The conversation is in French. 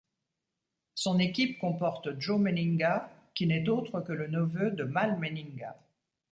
Son équipe comporte Joe Meninga, qui n'est autre que le neveu de Mal Meninga.